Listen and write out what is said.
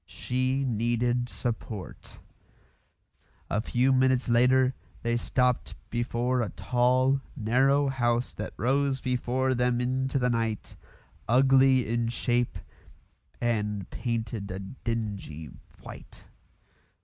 She needed support. A few minutes later they stopped before a tall, narrow house that rose before them into the night, ugly in shape and painted a dingy white.